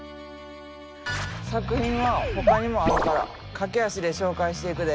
作品はほかにもあるから駆け足で紹介していくで。